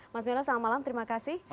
mas bella selamat malam terima kasih